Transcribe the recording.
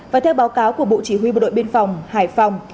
và theo báo cáo của bộ chỉ huy bộ đội biên phòng hải phòng